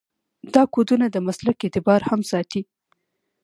دا کودونه د مسلک اعتبار هم ساتي.